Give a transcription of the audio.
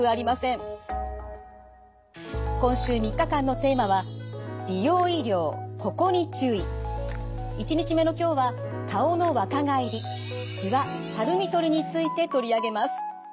今週３日間のテーマは１日目の今日は顔の若返りしわ・たるみとりについて取り上げます。